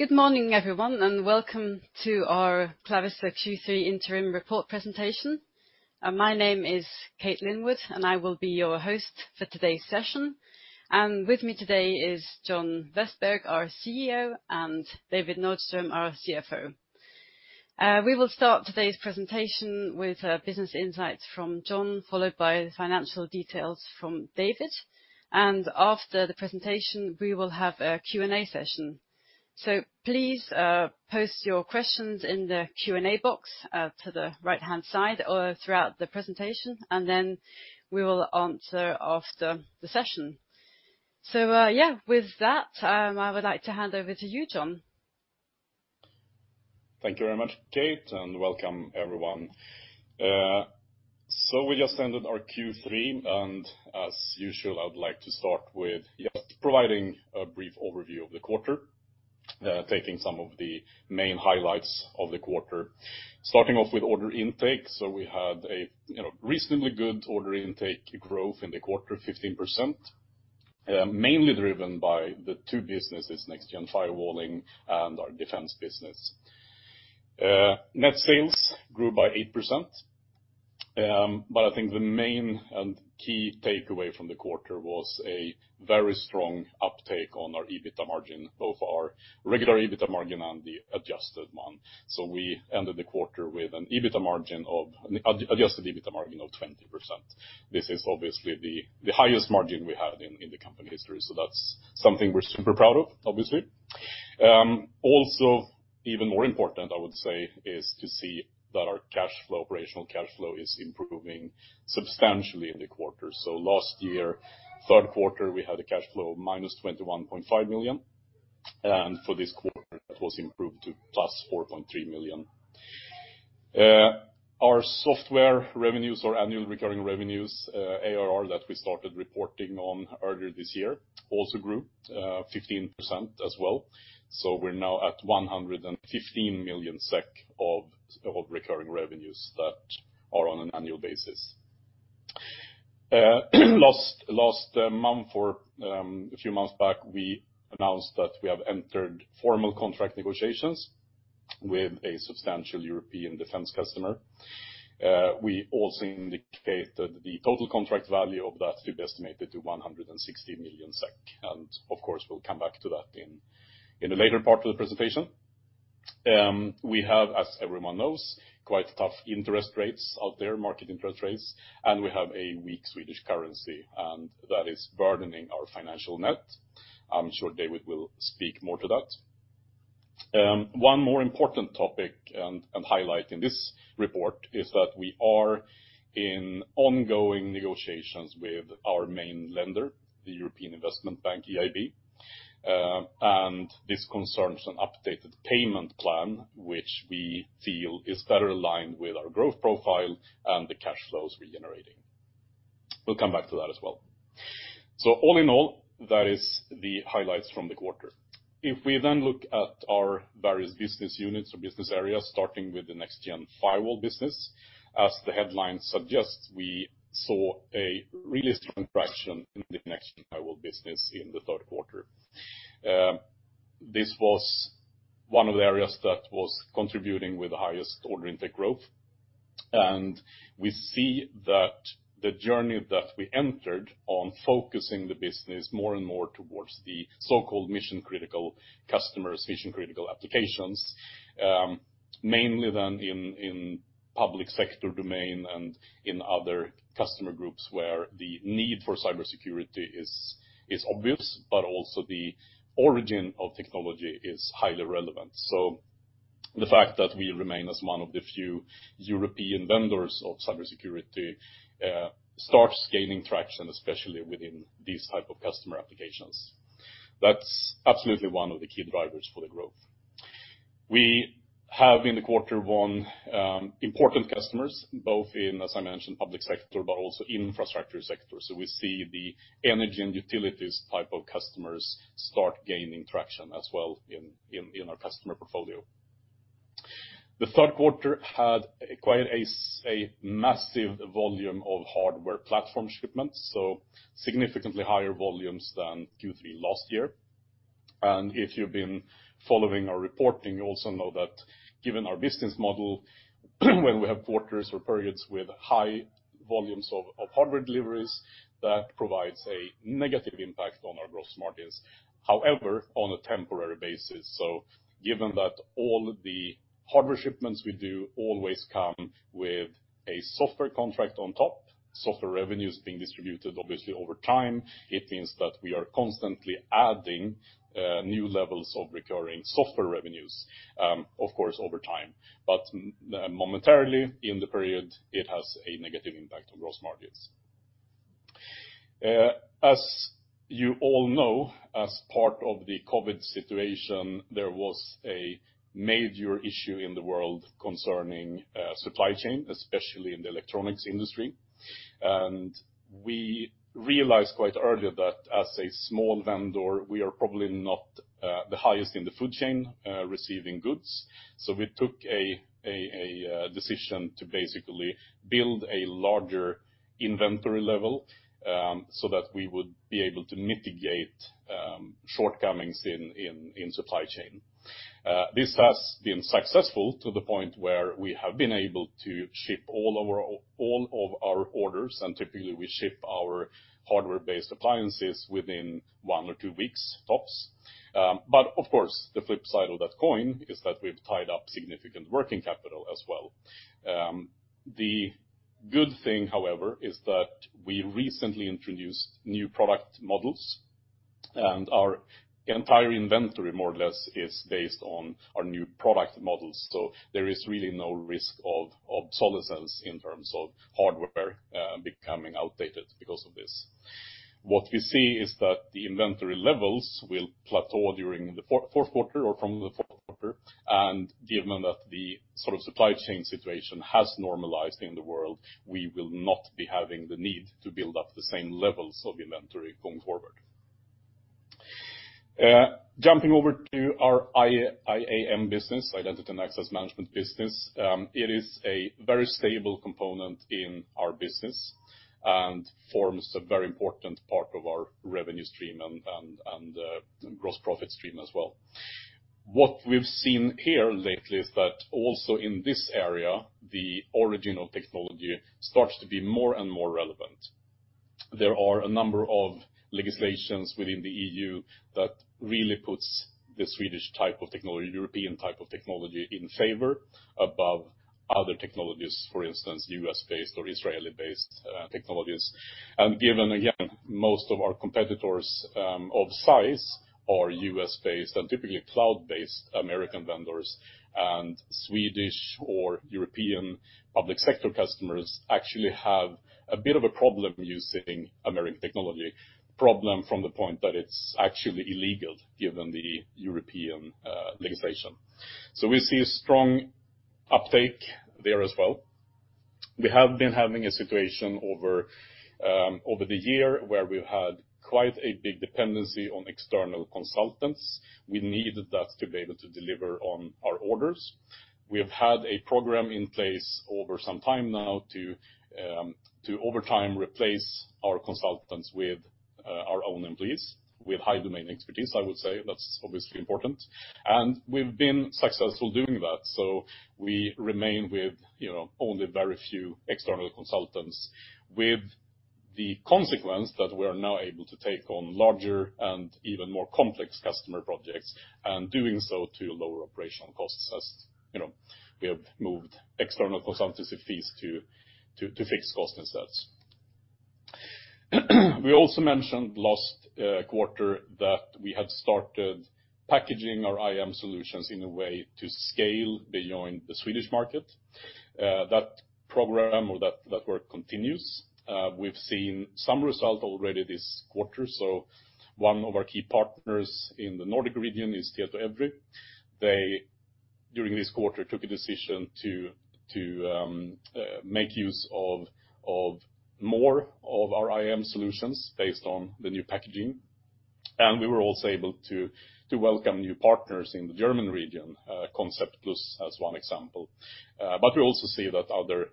Good morning, everyone, and welcome to our Clavister Q3 Interim Report Presentation. My name is Kate Linwood, and I will be your host for today's session. And with me today is John Vestberg, our CEO, and David Nordström, our CFO. We will start today's presentation with business insights from John, followed by the financial details from David. And after the presentation, we will have a Q&A session. Please post your questions in the Q&A box to the right-hand side, or throughout the presentation, and then we will answer after the session. So, yeah, with that, I would like to hand over to you, John. Thank you very much, Kate, and welcome everyone. So we just ended our Q3, and as usual, I would like to start with just providing a brief overview of the quarter, taking some of the main highlights of the quarter. Starting off with order intake. So we had a, you know, reasonably good order intake growth in the quarter, 15%, mainly driven by the two businesses, next-gen firewalling and our defense business. Net sales grew by 8%. But I think the main and key takeaway from the quarter was a very strong uptake on our EBITDA margin, both our regular EBITDA margin and the adjusted one. So we ended the quarter with an adjusted EBITDA margin of 20%. This is obviously the, the highest margin we had in, in the company history, so that's something we're super proud of, obviously. Also, even more important, I would say, is to see that our cash flow, operational cash flow, is improving substantially in the quarter. So last year, third quarter, we had a cash flow of -21.5 million, and for this quarter, it was improved to +4.3 million. Our software revenues or annual recurring revenues, ARR, that we started reporting on earlier this year, also grew fifteen percent as well. So we're now at 115 million SEK of recurring revenues that are on an annual basis. Last month or a few months back, we announced that we have entered formal contract negotiations with a substantial European defense customer. We also indicated the total contract value of that to be estimated to 160 million SEK, and of course, we'll come back to that in, in a later part of the presentation. We have, as everyone knows, quite tough interest rates out there, market interest rates, and we have a weak Swedish currency, and that is burdening our financial net. I'm sure David will speak more to that. One more important topic and, and highlight in this report is that we are in ongoing negotiations with our main lender, the European Investment Bank, EIB. And this concerns an updated payment plan, which we feel is better aligned with our growth profile and the cash flows we're generating. We'll come back to that as well. So all in all, that is the highlights from the quarter. If we then look at our various business units or business areas, starting with the next-gen firewall business, as the headline suggests, we saw a really strong traction in the next-gen firewall business in the third quarter. This was one of the areas that was contributing with the highest order intake growth, and we see that the journey that we entered on focusing the business more and more towards the so-called mission-critical customers, mission-critical applications, mainly then in the public sector domain and in other customer groups where the need for cybersecurity is obvious, but also the origin of technology is highly relevant. So the fact that we remain as one of the few European vendors of cybersecurity starts gaining traction, especially within these type of customer applications. That's absolutely one of the key drivers for the growth. We have, in the quarter, won important customers, both in, as I mentioned, public sector, but also infrastructure sector. We see the energy and utilities type of customers start gaining traction as well in our customer portfolio. The third quarter had acquired a massive volume of hardware platform shipments, so significantly higher volumes than Q3 last year. If you've been following our reporting, you also know that given our business model, when we have quarters or periods with high volumes of hardware deliveries, that provides a negative impact on our gross margins. However, on a temporary basis, so given that all the hardware shipments we do always come with a software contract on top, software revenues being distributed obviously over time, it means that we are constantly adding new levels of recurring software revenues, of course, over time. But momentarily, in the period, it has a negative impact on gross margins. As you all know, as part of the COVID situation, there was a major issue in the world concerning supply chain, especially in the electronics industry. And we realized quite early that as a small vendor, we are probably not the highest in the food chain receiving goods. So we took a decision to basically build a larger inventory level so that we would be able to mitigate shortcomings in supply chain. This has been successful to the point where we have been able to ship all our, all of our orders, and typically, we ship our hardware-based appliances within one or two weeks, tops. But of course, the flip side of that coin is that we've tied up significant working capital as well. The good thing, however, is that we recently introduced new product models, and our entire inventory, more or less, is based on our new product models. So there is really no risk of solid sales in terms of hardware becoming outdated because of this. What we see is that the inventory levels will plateau during the fourth quarter or from the fourth quarter, and given that the sort of supply chain situation has normalized in the world, we will not be having the need to build up the same levels of inventory going forward. Jumping over to our IAM business, Identity and Access Management business, it is a very stable component in our business and forms a very important part of our revenue stream and gross profit stream as well. What we've seen here lately is that also in this area, the origin of technology starts to be more and more relevant. There are a number of legislations within the EU that really puts the Swedish type of technology, European type of technology in favor above other technologies, for instance, U.S.-based or Israeli-based technologies. And given, again, most of our competitors of size are U.S.-based and typically cloud-based American vendors, and Swedish or European public sector customers actually have a bit of a problem using American technology. Problem from the point that it's actually illegal, given the European legislation. So we see a strong uptake there as well. We have been having a situation over the year where we've had quite a big dependency on external consultants. We needed that to be able to deliver on our orders. We have had a program in place over some time now to over time replace our consultants with our own employees with high domain expertise, I would say. That's obviously important. We've been successful doing that, so we remain with, you know, only very few external consultants, with the consequence that we're now able to take on larger and even more complex customer projects, and doing so to lower operational costs, as, you know, we have moved external consultancy fees to fixed costs instead. We also mentioned last quarter that we had started packaging our IAM solutions in a way to scale beyond the Swedish market. That program or that work continues. We've seen some result already this quarter. So one of our key partners in the Nordic region is Tietoevry. They, during this quarter, took a decision to make use of more of our IAM solutions based on the new packaging, and we were also able to welcome new partners in the German region, Concept Plus, as one example. But we also see that other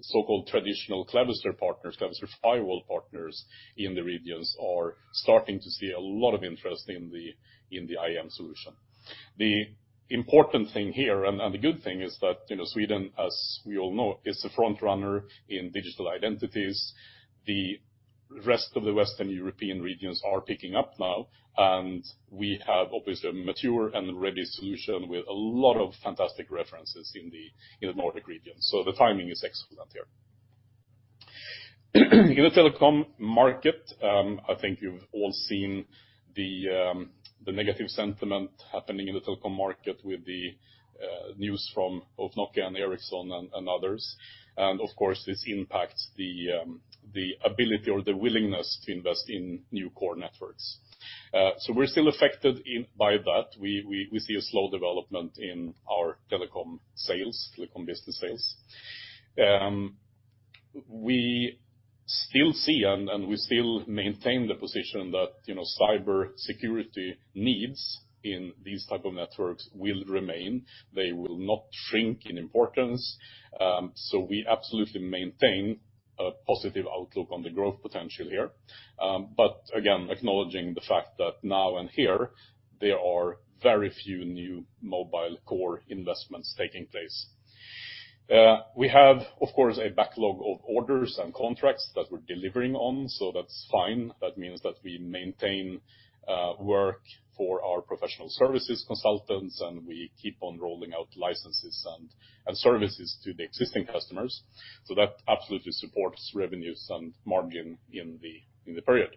so-called traditional Clavister partners, Clavister firewall partners in the regions are starting to see a lot of interest in the IAM solution. The important thing here, and the good thing, is that, you know, Sweden, as we all know, is a front runner in digital identities. The rest of the Western European regions are picking up now, and we have obviously a mature and ready solution with a lot of fantastic references in the in the Nordic region. So the timing is excellent here. In the telecom market, I think you've all seen the the negative sentiment happening in the telecom market with the news from both Nokia and Ericsson and others. And of course, this impacts the the ability or the willingness to invest in new core networks. So we're still affected by that. We see a slow development in our telecom sales, telecom business sales. We still see and we still maintain the position that, you know, cybersecurity needs in these type of networks will remain. They will not shrink in importance. So we absolutely maintain a positive outlook on the growth potential here. But again, acknowledging the fact that now and here, there are very few new mobile core investments taking place. We have, of course, a backlog of orders and contracts that we're delivering on, so that's fine. That means that we maintain work for our professional services consultants, and we keep on rolling out licenses and services to the existing customers. So that absolutely supports revenues and margin in the period.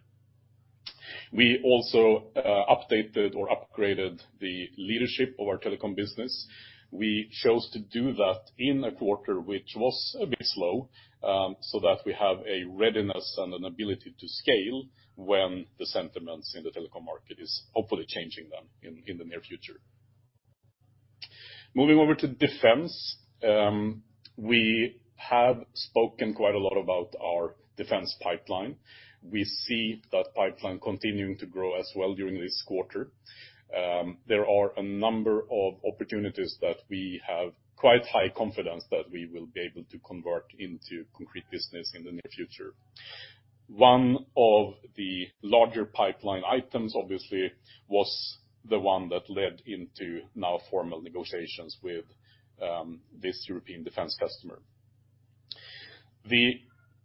We also updated or upgraded the leadership of our telecom business. We chose to do that in a quarter, which was a bit slow, so that we have a readiness and an ability to scale when the sentiments in the telecom market is hopefully changing then in the near future. Moving over to defense, we have spoken quite a lot about our defense pipeline. We see that pipeline continuing to grow as well during this quarter. There are a number of opportunities that we have quite high confidence that we will be able to convert into concrete business in the near future. One of the larger pipeline items, obviously, was the one that led into now formal negotiations with this European defense customer. The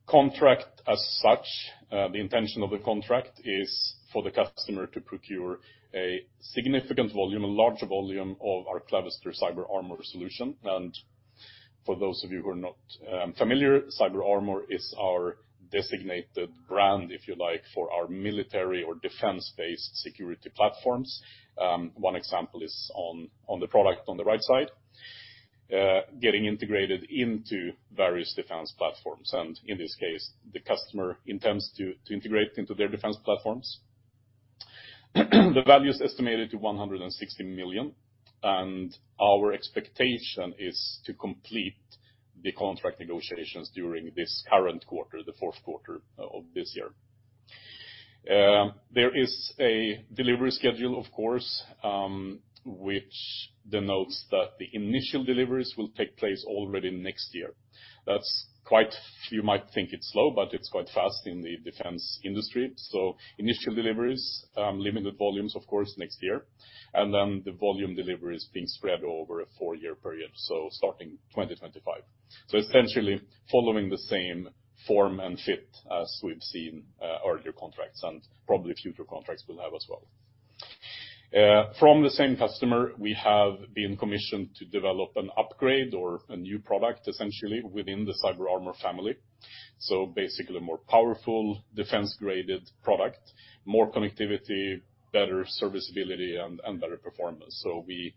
contract, as such, the intention of the contract is for the customer to procure a significant volume, a larger volume of our Clavister CyberArmour solution. For those of you who are not familiar, CyberArmour is our designated brand, if you like, for our military or defense-based security platforms. One example is on the product on the right side getting integrated into various defense platforms, and in this case, the customer intends to integrate into their defense platforms. The value is estimated to 160 million, and our expectation is to complete the contract negotiations during this current quarter, the fourth quarter of this year. There is a delivery schedule, of course, which denotes that the initial deliveries will take place already next year. That's quite, you might think it's slow, but it's quite fast in the defense industry. So initial deliveries, limited volumes, of course, next year, and then the volume delivery is being spread over a four-year period, so starting 2025. So essentially following the same form and fit as we've seen, earlier contracts, and probably future contracts will have as well. From the same customer, we have been commissioned to develop an upgrade or a new product, essentially, within the CyberArmour family. So basically, a more powerful defense-graded product, more connectivity, better serviceability, and better performance. So we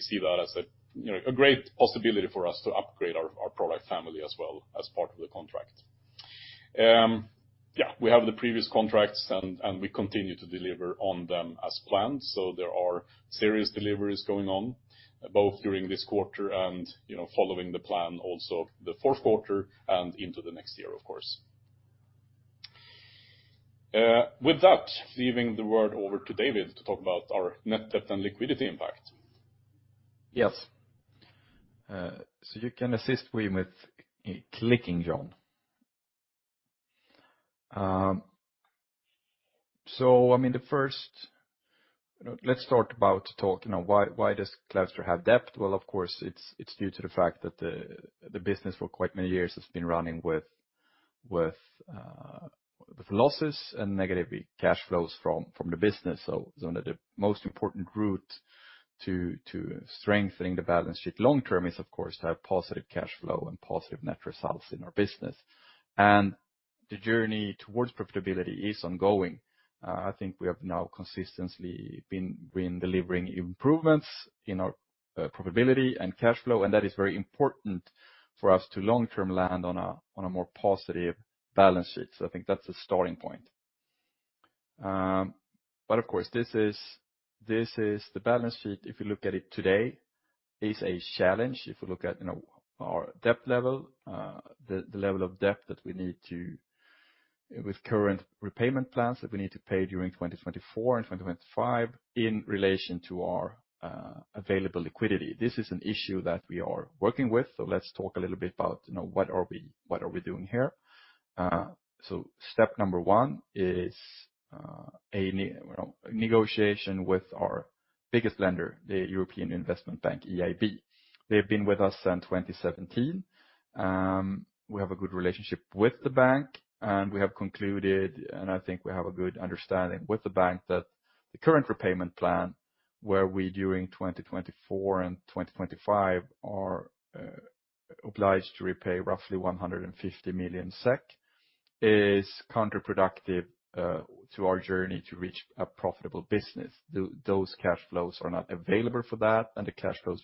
see that as a, you know, a great possibility for us to upgrade our product family as well as part of the contract. Yeah, we have the previous contracts, and we continue to deliver on them as planned. So there are serious deliveries going on, both during this quarter and, you know, following the plan, also the fourth quarter and into the next year, of course. With that, leaving the word over to David to talk about our net debt and liquidity impact. Yes. So you can assist me with clicking, John. So, I mean, the first, let's talk about, you know, why does Clavister have debt? Well, of course, it's due to the fact that the business for quite many years has been running with losses and negative cash flows from the business. So one of the most important root to strengthening the balance sheet long-term is, of course, to have positive cash flow and positive net results in our business. The journey towards profitability is ongoing. I think we have now consistently been delivering improvements in our profitability and cash flow, and that is very important for us to long-term land on a more positive balance sheet. So I think that's a starting point. But of course, this is the balance sheet if you look at it today is a challenge. If you look at, you know, our debt level, the level of debt with current repayment plans that we need to pay during 2024 and 2025 in relation to our available liquidity. This is an issue that we are working with, so let's talk a little bit about, you know, what are we, what are we doing here. So step number one is a negotiation with our biggest lender, the European Investment Bank, EIB. They've been with us since 2017. We have a good relationship with the bank, and we have concluded, and I think we have a good understanding with the bank, that the current repayment plan, where we, during 2024 and 2025, are obliged to repay roughly 150 million SEK, is counterproductive to our journey to reach a profitable business. Those cash flows are not available for that, and the cash flows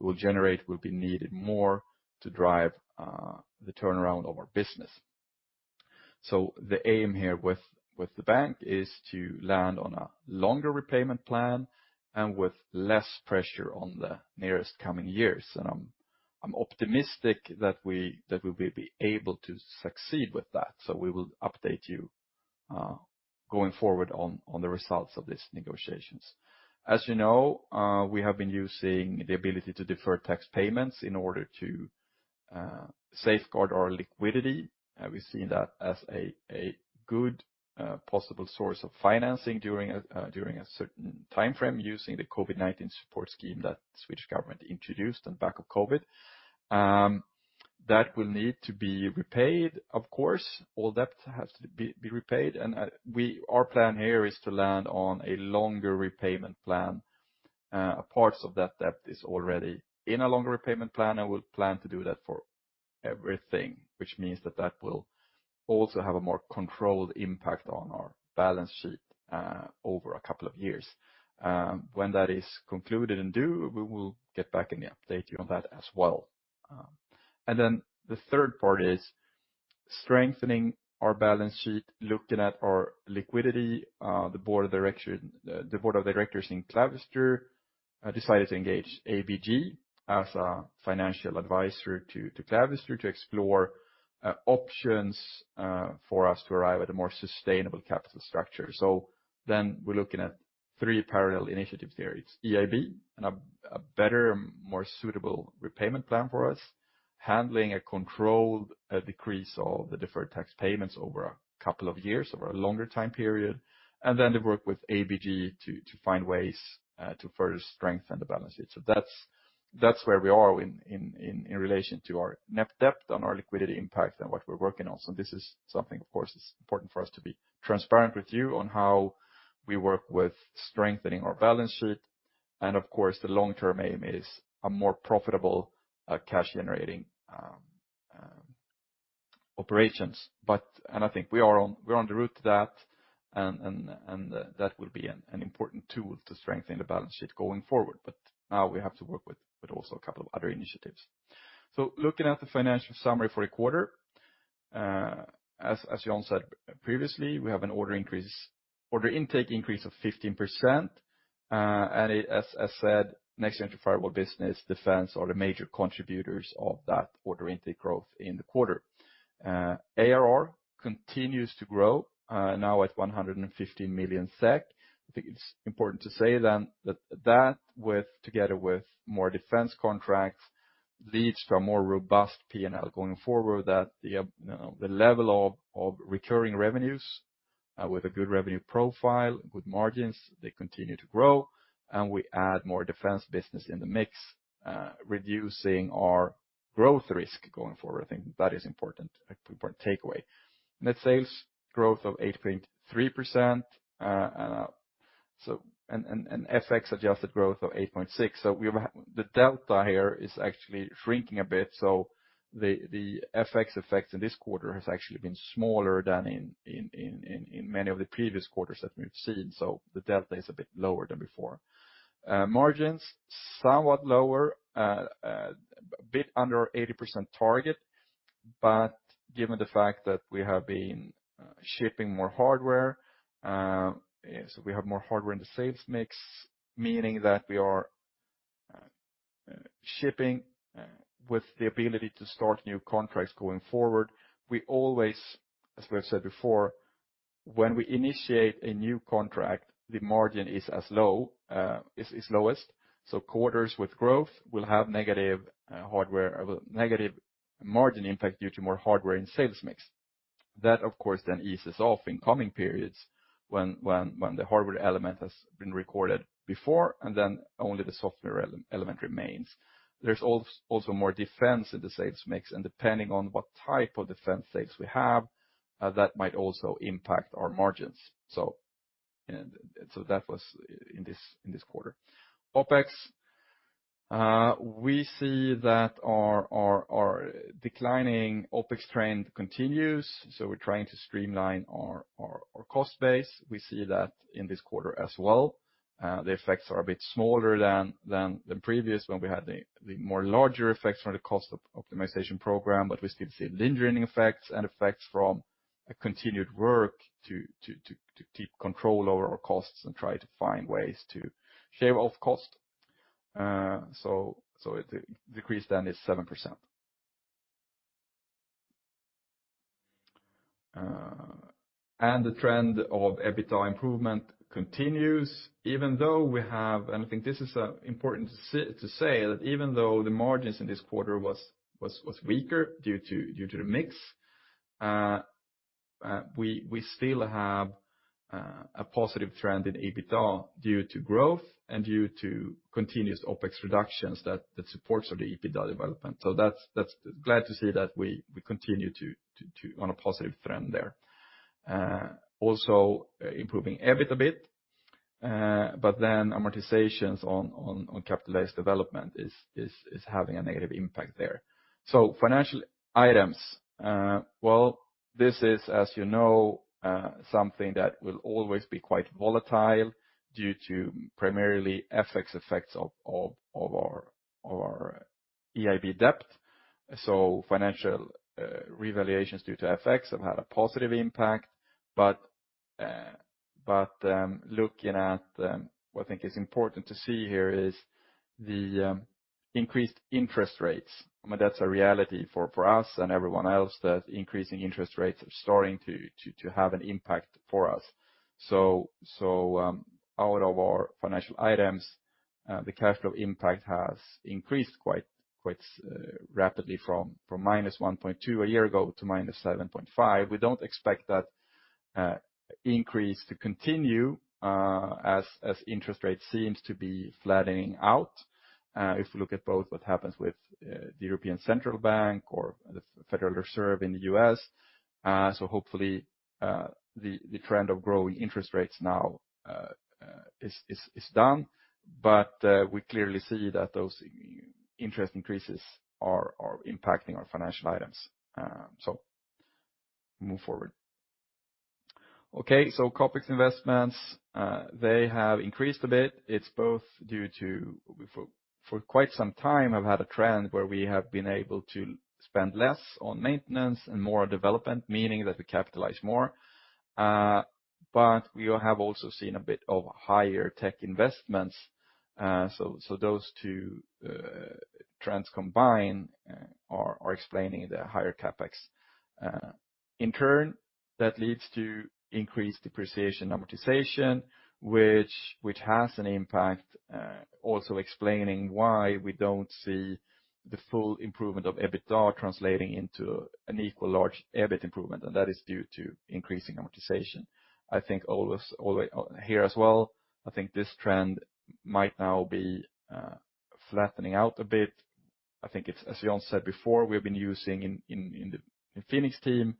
we'll generate will be needed more to drive the turnaround of our business. So the aim here with the bank is to land on a longer repayment plan and with less pressure on the nearest coming years. And I'm optimistic that we will be able to succeed with that. So we will update you going forward on the results of these negotiations. As you know, we have been using the ability to defer tax payments in order to, safeguard our liquidity. We've seen that as a good possible source of financing during a certain timeframe using the COVID-19 support scheme that Swiss government introduced on back of COVID. That will need to be repaid, of course, all debt has to be repaid, and our plan here is to land on a longer repayment plan. Parts of that debt is already in a longer repayment plan, and we'll plan to do that for everything, which means that that will also have a more controlled impact on our balance sheet, over a couple of years. When that is concluded and due, we will get back and update you on that as well. And then the third part is strengthening our balance sheet, looking at our liquidity. The board of directors in Clavister decided to engage ABG as a financial advisor to Clavister to explore options for us to arrive at a more sustainable capital structure. So then we're looking at three parallel initiatives there. It's EIB and a better, more suitable repayment plan for us, handling a controlled decrease of the deferred tax payments over a couple of years, over a longer time period, and then the work with ABG to find ways to further strengthen the balance sheet. So that's where we are in relation to our net debt and our liquidity impact and what we're working on. So this is something, of course, it's important for us to be transparent with you on how we work with strengthening our balance sheet. And of course, the long-term aim is a more profitable, cash-generating, operations. But and I think we are on the route to that, and that will be an important tool to strengthen the balance sheet going forward. But now we have to work with also a couple of other initiatives. So looking at the financial summary for a quarter, as John said previously, we have an order intake increase of 15%. And as said, Next-Generation Firewall business, defense, are the major contributors of that order intake growth in the quarter. ARR continues to grow, now at 150 million SEK. I think it's important to say then, that with, together with more defense contracts, leads to a more robust P&L going forward, that the level of recurring revenues with a good revenue profile, good margins, they continue to grow, and we add more defense business in the mix, reducing our growth risk going forward. I think that is important, an important takeaway. Net sales growth of 8.3%, and FX-adjusted growth of 8.6%. So we have the delta here is actually shrinking a bit, so the FX effects in this quarter has actually been smaller than in many of the previous quarters that we've seen. So the delta is a bit lower than before. Margins, somewhat lower, a bit under our 80% target, but given the fact that we have been shipping more hardware, so we have more hardware in the sales mix, meaning that we are shipping with the ability to start new contracts going forward. We always, as we have said before, when we initiate a new contract, the margin is as low, is lowest. So quarters with growth will have negative hardware, negative margin impact due to more hardware in sales mix. That, of course, then eases off in coming periods when the hardware element has been recorded before, and then only the software element remains. There's also more defense in the sales mix, and depending on what type of defense sales we have, that might also impact our margins. That was in this quarter. OpEx, we see that our declining OpEx trend continues, so we're trying to streamline our cost base. We see that in this quarter as well. The effects are a bit smaller than the previous, when we had the more larger effects from the cost of optimization program, but we still see lingering effects and effects from a continued work to keep control over our costs and try to find ways to shave off cost. So, the decrease then is 7%. And the trend of EBITDA improvement continues, even though we have... I think this is important to say that even though the margins in this quarter was weaker due to the mix, we still have a positive trend in EBITDA due to growth and due to continuous OpEx reductions that supports the EBITDA development. So that's glad to see that we continue on a positive trend there. Also improving EBIT a bit, but then amortizations on capitalized development is having a negative impact there. So financial items, well, this is, as you know, something that will always be quite volatile due to primarily FX effects of our EIB debt. So financial revaluations due to FX have had a positive impact, but looking at... What I think is important to see here is the increased interest rates. I mean, that's a reality for us and everyone else, that increasing interest rates are starting to have an impact for us. So out of our financial items, the cash flow impact has increased quite rapidly from -1.2 a year ago to -7.5. We don't expect that increase to continue as interest rates seems to be flattening out. If we look at both what happens with the European Central Bank or the Federal Reserve in the U.S., so hopefully the trend of growing interest rates now is done, but we clearly see that those interest increases are impacting our financial items. So move forward. Okay, so CapEx investments, they have increased a bit. It's both due to for quite some time, I've had a trend where we have been able to spend less on maintenance and more development, meaning that we capitalize more. But we have also seen a bit of higher tech investments. So those two trends combined are explaining the higher CapEx. In turn, that leads to increased depreciation amortization, which has an impact, also explaining why we don't see the full improvement of EBITDA translating into an equal large EBIT improvement, and that is due to increasing amortization. I think all this all the way here as well, I think this trend might now be flattening out a bit. I think it's, as John said before, we've been using in the Fenix team,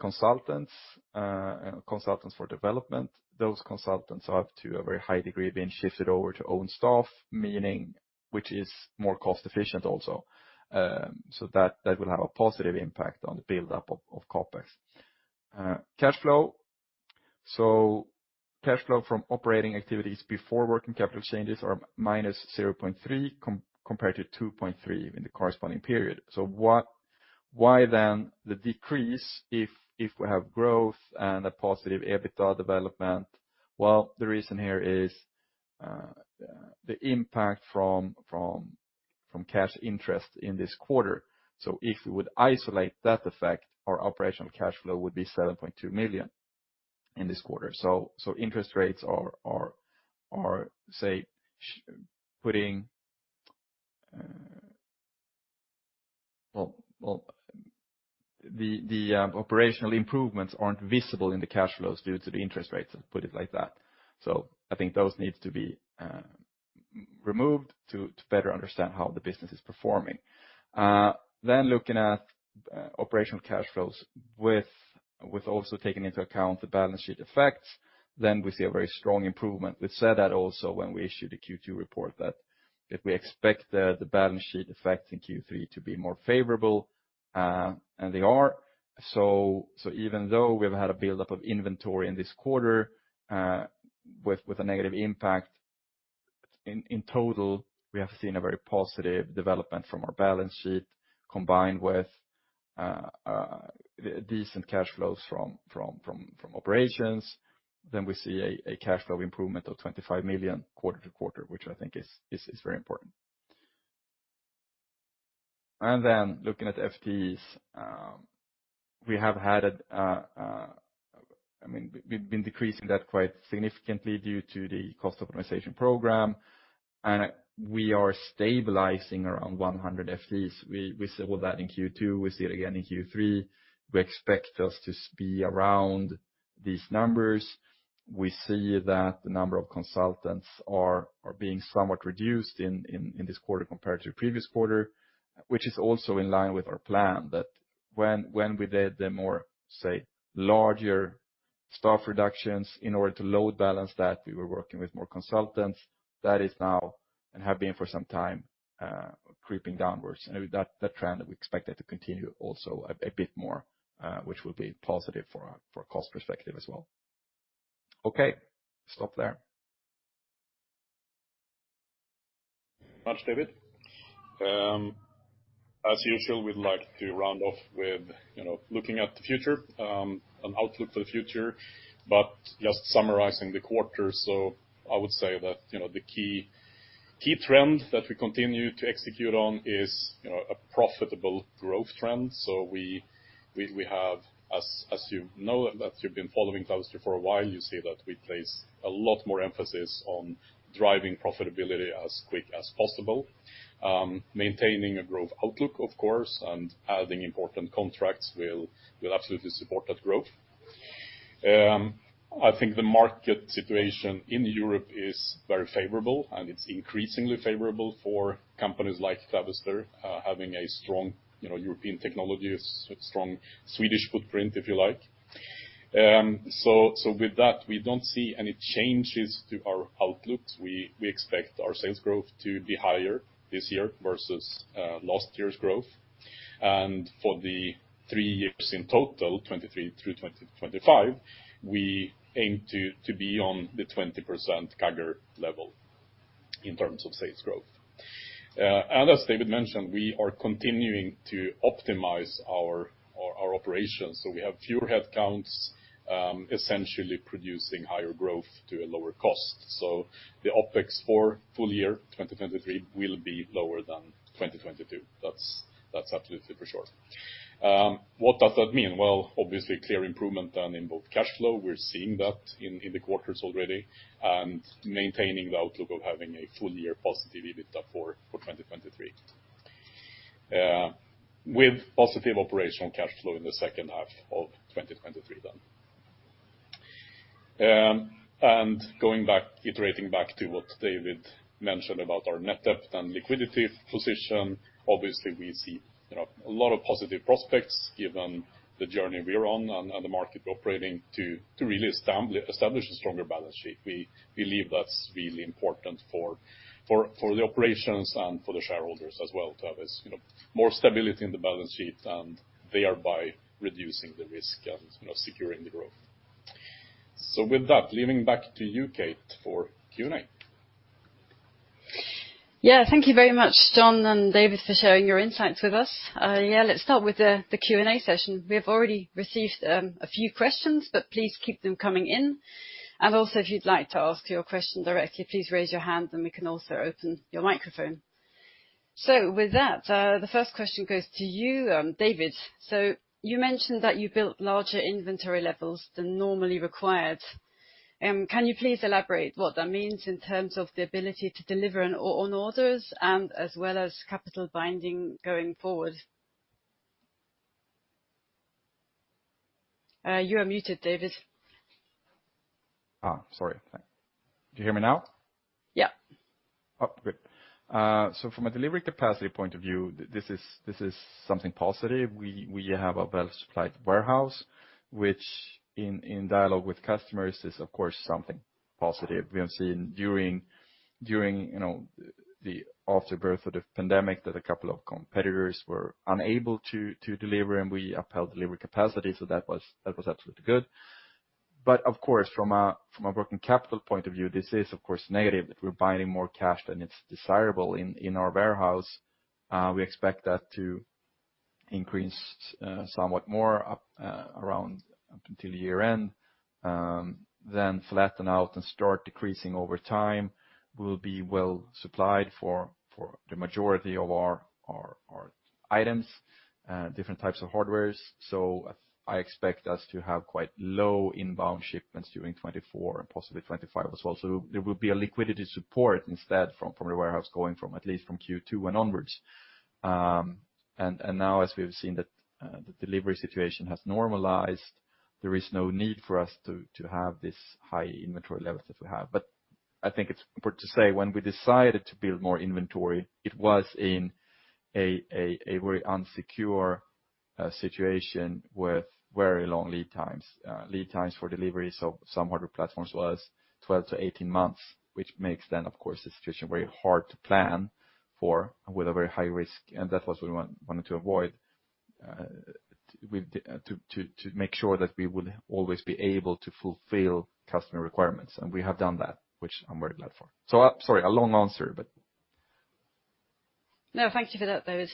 consultants for development. Those consultants are, to a very high degree, being shifted over to own staff, meaning which is more cost-efficient also. So that will have a positive impact on the buildup of CapEx. Cash flow. So cash flow from operating activities before working capital changes are -0.3 million compared to 2.3 million in the corresponding period. So what why then the decrease if we have growth and a positive EBITDA development? Well, the reason here is the impact from cash interest in this quarter. So if we would isolate that effect, our operational cash flow would be 7.2 million in this quarter. So interest rates are, say, sh- putting. Well, the operational improvements aren't visible in the cash flows due to the interest rates, let's put it like that. So I think those needs to be removed to better understand how the business is performing. Then looking at operational cash flows with also taking into account the balance sheet effects, then we see a very strong improvement. We said that also when we issued the Q2 report, that if we expect the balance sheet effect in Q3 to be more favorable, and they are. So even though we've had a buildup of inventory in this quarter, with a negative impact, in total, we have seen a very positive development from our balance sheet, combined with a decent cash flows from operations, then we see a cash flow improvement of 25 million quarter to quarter, which I think is very important. Then looking at FTEs, we have had a, I mean, we've been decreasing that quite significantly due to the cost optimization program, and we are stabilizing around 100 FTEs. We saw that in Q2, we see it again in Q3. We expect us to be around these numbers. We see that the number of consultants are being somewhat reduced in this quarter compared to the previous quarter, which is also in line with our plan, that when we did the more, say, larger staff reductions in order to load balance that, we were working with more consultants, that is now, and have been for some time, creeping downwards. And that trend, we expect that to continue also a bit more, which will be positive for a cost perspective as well. Okay, stop there. Thanks so much, David. As usual, we'd like to round off with, you know, looking at the future, an outlook for the future, but just summarizing the quarter. So I would say that, you know, the key, key trend that we continue to execute on is, you know, a profitable growth trend. So we have, as you know, that you've been following Clavister for a while, you see that we place a lot more emphasis on driving profitability as quick as possible. Maintaining a growth outlook, of course, and adding important contracts will absolutely support that growth. I think the market situation in Europe is very favorable, and it's increasingly favorable for companies like Clavister, having a strong, you know, European technology, a strong Swedish footprint, if you like. So with that, we don't see any changes to our outlook. We expect our sales growth to be higher this year versus last year's growth. And for the three years in total, 2023 through 2025, we aim to be on the 20% CAGR level in terms of sales growth. And as David mentioned, we are continuing to optimize our operations, so we have fewer headcounts, essentially producing higher growth to a lower cost. So the OpEx for full year 2023 will be lower than 2022. That's absolutely for sure. What does that mean? Well, obviously, clear improvement on both cash flow, we're seeing that in the quarters already, and maintaining the outlook of having a full year positive EBITDA for 2023. With positive operational cash flow in the second half of 2023. And going back, iterating back to what David mentioned about our net debt and liquidity position, obviously, we see, you know, a lot of positive prospects given the journey we're on and, and the market operating to, to really establish a stronger balance sheet. We believe that's really important for, for, for the operations and for the shareholders as well, to have as, you know, more stability in the balance sheet, and thereby reducing the risk and, you know, securing the growth. So with that, leaving back to you, Kate, for Q&A. Yeah, thank you very much, John and David, for sharing your insights with us. Yeah, let's start with the Q&A session. We have already received a few questions, but please keep them coming in. And also, if you'd like to ask your question directly, please raise your hand, and we can also open your microphone. So with that, the first question goes to you, David. So you mentioned that you built larger inventory levels than normally required. Can you please elaborate what that means in terms of the ability to deliver on orders and as well as capital binding going forward? You are muted, David. Ah, sorry. Can you hear me now? Yeah. Oh, good. So from a delivery capacity point of view, this is something positive. We have a well-supplied warehouse, which in dialogue with customers is of course something positive. We have seen during, you know, the afterbirth of the pandemic, that a couple of competitors were unable to deliver, and we upheld delivery capacity, so that was absolutely good. But of course, from a working capital point of view, this is of course negative. If we're binding more cash than it's desirable in our warehouse, we expect that to increase somewhat more up around up until year-end, then flatten out and start decreasing over time. We'll be well-supplied for the majority of our items, different types of hardwares. So I expect us to have quite low inbound shipments during 2024 and possibly 2025 as well. So there will be a liquidity support instead from the warehouse, going from at least Q2 and onwards. And now, as we've seen that the delivery situation has normalized, there is no need for us to have this high inventory levels that we have. But I think it's important to say when we decided to build more inventory, it was in a very unsecure situation with very long lead times. Lead times for delivery, so some other platforms was 12-18 months, which makes then, of course, the situation very hard to plan for and with a very high risk, and that was what we wanted to avoid with the to make sure that we will always be able to fulfill customer requirements, and we have done that, which I'm very glad for. So, sorry, a long answer, but No, thank you for that, David.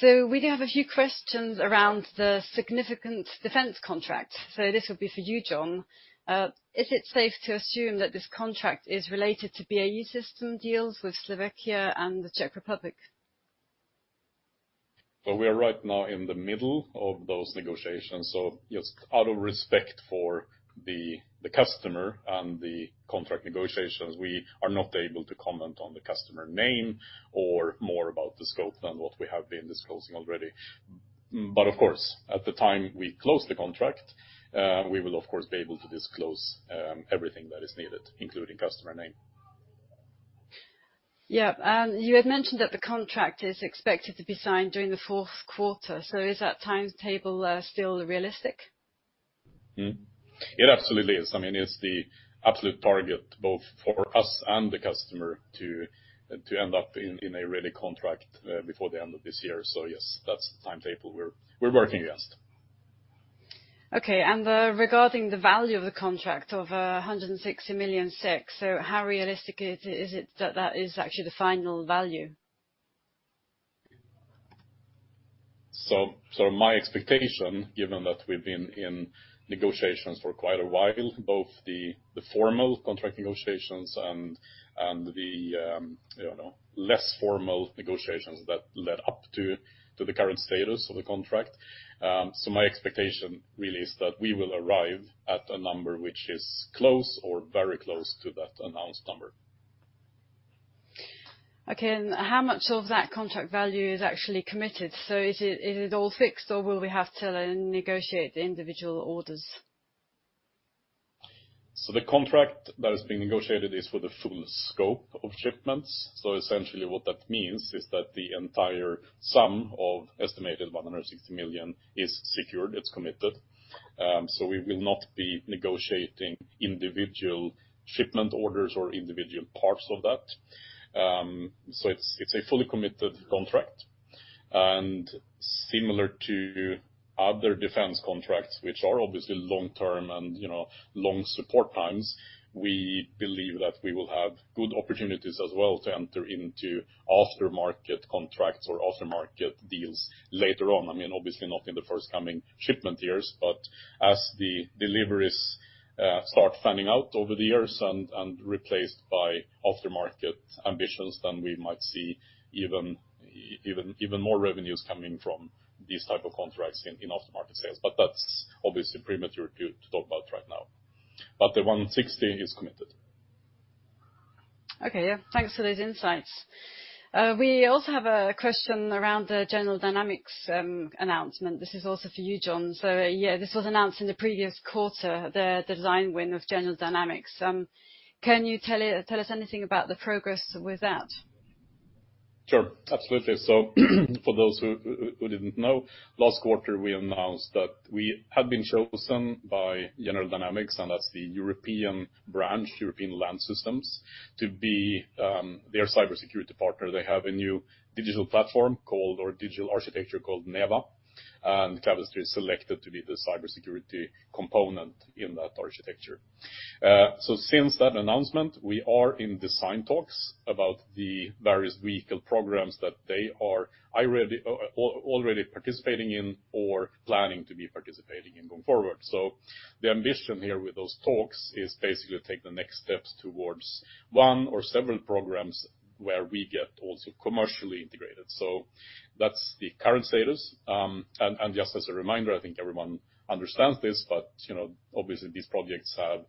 We do have a few questions around the significant defense contract. This will be for you, John. Is it safe to assume that this contract is related to BAE Systems deals with Slovakia and the Czech Republic? Well, we are right now in the middle of those negotiations, so just out of respect for the customer and the contract negotiations, we are not able to comment on the customer name or more about the scope than what we have been disclosing already. But of course, at the time we close the contract, we will, of course, be able to disclose everything that is needed, including customer name. Yeah, and you had mentioned that the contract is expected to be signed during the fourth quarter, so is that timetable still realistic? It absolutely is. I mean, it's the absolute target both for us and the customer to end up in a ready contract before the end of this year. So yes, that's the timetable we're working against. Okay, and regarding the value of the contract of 160 million, so how realistic is it, is it that that is actually the final value? So my expectation, given that we've been in negotiations for quite a while, both the formal contract negotiations and the, you know, less formal negotiations that led up to the current status of the contract, so my expectation really is that we will arrive at a number which is close or very close to that announced number. Okay, and how much of that contract value is actually committed? So is it, is it all fixed, or will we have to negotiate the individual orders? So the contract that has been negotiated is for the full scope of shipments. So essentially what that means is that the entire sum of estimated 160 million is secured, it's committed. So we will not be negotiating individual shipment orders or individual parts of that. So it's, it's a fully committed contract, and similar to other defense contracts, which are obviously long-term and, you know, long support times, we believe that we will have good opportunities as well to enter into aftermarket contracts or aftermarket deals later on. I mean, obviously not in the first coming shipment years, but as the deliveries start fanning out over the years and replaced by aftermarket ambitions, then we might see even more revenues coming from these type of contracts in aftermarket sales. But that's obviously premature to talk about right now. The 160 is committed. Okay, yeah. Thanks for those insights. We also have a question around the General Dynamics announcement. This is also for you, John. So yeah, this was announced in the previous quarter, the design win of General Dynamics. Can you tell us anything about the progress with that? Sure. Absolutely. So for those who didn't know, last quarter, we announced that we had been chosen by General Dynamics European Land Systems to be their cybersecurity partner. They have a new digital platform called or digital architecture called NGVA, and Clavister is selected to be the cybersecurity component in that architecture. So since that announcement, we are in design talks about the various vehicle programs that they are already participating in or planning to be participating in going forward. So the ambition here with those talks is basically take the next steps towards one or several programs where we get also commercially integrated. So that's the current status. Just as a reminder, I think everyone understands this, but you know, obviously, these projects have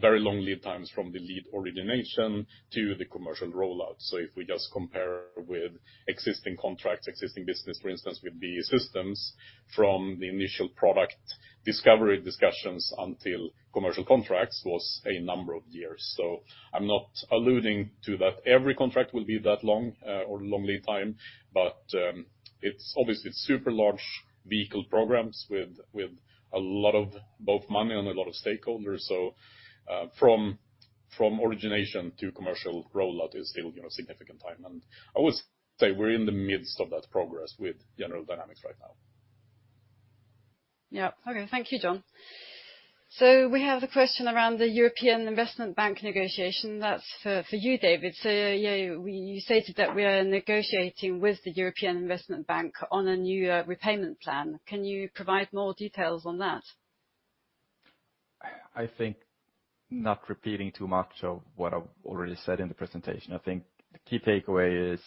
very long lead times from the lead origination to the commercial rollout. So if we just compare with existing contracts, existing business, for instance, with BAE Systems, from the initial product discovery discussions until commercial contracts, was a number of years. So I'm not alluding to that every contract will be that long, or long lead time, but it's obviously super large vehicle programs with a lot of both money and a lot of stakeholders. So from origination to commercial rollout is, you know, a significant time. And I would say we're in the midst of that progress with General Dynamics right now. Yeah. Okay. Thank you, John. So we have a question around the European Investment Bank negotiation. That's for you, David. So, yeah, you stated that we are negotiating with the European Investment Bank on a new repayment plan. Can you provide more details on that? I think, not repeating too much of what I've already said in the presentation. I think the key takeaway is,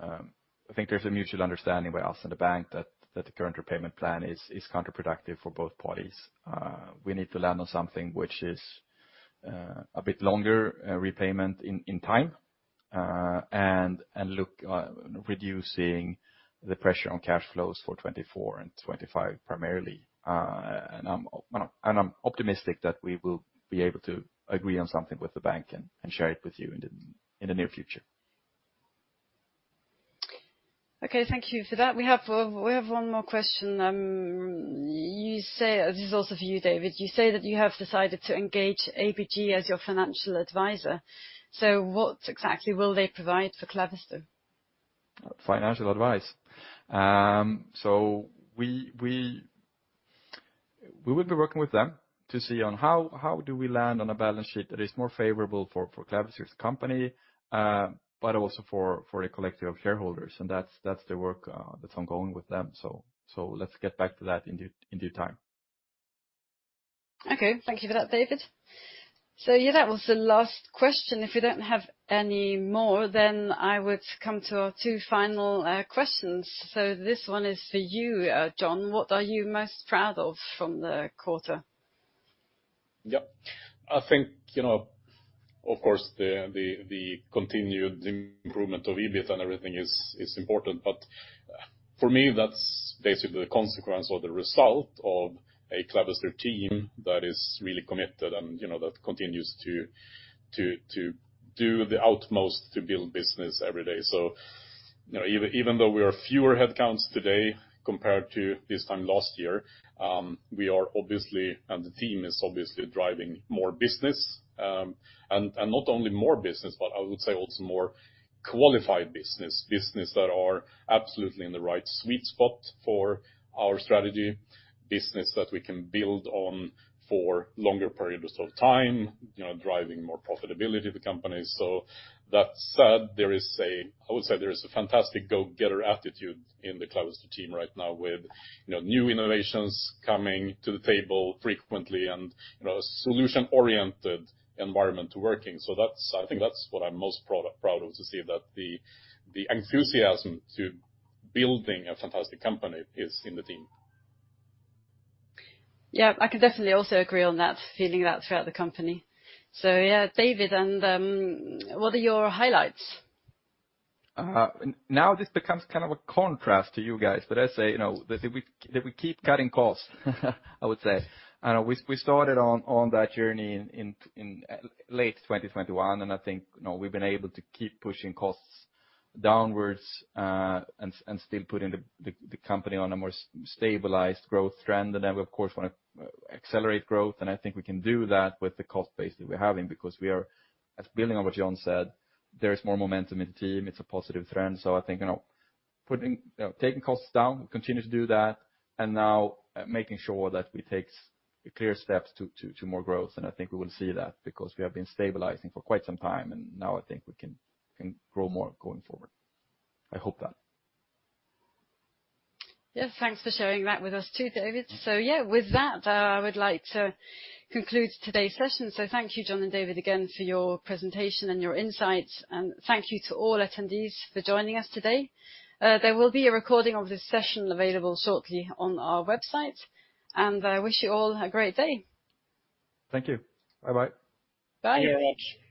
I think there's a mutual understanding by us and the bank that, that the current repayment plan is, is counterproductive for both parties. We need to land on something which is, a bit longer, repayment in, in time, and, and look on reducing the pressure on cash flows for 2024 and 2025, primarily. And I'm, and I'm optimistic that we will be able to agree on something with the bank and, and share it with you in the, in the near future. Okay. Thank you for that. We have one more question. You say this is also for you, David. You say that you have decided to engage ABG as your financial advisor. So what exactly will they provide for Clavister? Financial advice. So we will be working with them to see how we land on a balance sheet that is more favorable for Clavister as a company, but also for a collective shareholders, and that's the work that's ongoing with them. So let's get back to that in due time. Okay. Thank you for that, David. So, yeah, that was the last question. If you don't have any more, then I would come to our two final questions. So this one is for you, John. What are you most proud of from the quarter? Yep. I think, you know, of course, the continued improvement of EBIT and everything is important, but for me, that's basically the consequence or the result of a Clavister team that is really committed and, you know, that continues to do the utmost to build business every day. So, you know, even though we are fewer headcounts today compared to this time last year, we are obviously, and the team is obviously driving more business. And not only more business, but I would say also more qualified business. Business that are absolutely in the right sweet spot for our strategy, business that we can build on for longer periods of time, you know, driving more profitability to the company. So that said, there is a fantastic go-getter attitude in the Clavister team right now with, you know, new innovations coming to the table frequently and, you know, a solution-oriented environment to working. So that's what I'm most proud of, to see that the enthusiasm to building a fantastic company is in the team. Yeah, I can definitely also agree on that, feeling that throughout the company. So, yeah, David, what are your highlights? Now this becomes kind of a contrast to you guys, but I say, you know, that we keep cutting costs, I would say. We started on that journey in late 2021, and I think, you know, we've been able to keep pushing costs downwards, and still putting the company on a more stabilized growth trend. And then, of course, wanna accelerate growth, and I think we can do that with the cost base that we're having, because we are... As building on what John said, there is more momentum in the team. It's a positive trend. So I think, you know, taking costs down, we continue to do that, and now making sure that we take clear steps to more growth. I think we will see that, because we have been stabilizing for quite some time, and now I think we can grow more going forward. I hope that. Yes, thanks for sharing that with us, too, David. So, yeah, with that, I would like to conclude today's session. So thank you, John and David, again, for your presentation and your insights, and thank you to all attendees for joining us today. There will be a recording of this session available shortly on our website, and I wish you all a great day. Thank you. Bye-bye. Bye. Bye, everyone.